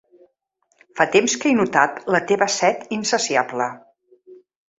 Fa temps que he notat la teva set insaciable.